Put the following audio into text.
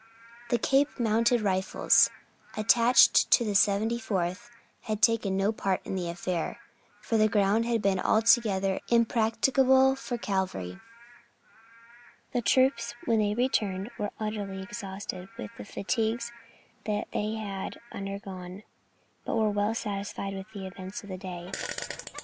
The Cape Mounted Rifles attached to the 74th had taken no part in the affair, for the ground had been altogether impracticable for cavalry. The troops, when they returned, were utterly exhausted with the fatigues that they had undergone, but were well satisfied with the events of the day.